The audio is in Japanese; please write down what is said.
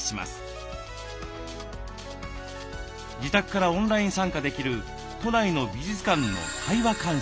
自宅からオンライン参加できる都内の美術館の「対話鑑賞」。